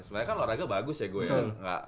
sebenarnya kan olahraga bagus ya gue ya